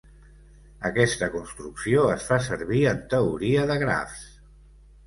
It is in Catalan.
Aquesta construcció es fa servir en teoria de grafs.